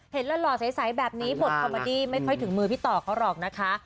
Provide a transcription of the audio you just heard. หล่อใสแบบนี้บทคอมเมอดี้ไม่ค่อยถึงมือพี่ต่อเขาหรอกนะคะ